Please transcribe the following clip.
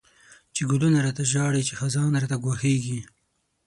چی گلونه را ته ژاړی، چی خزان راته گواښیږی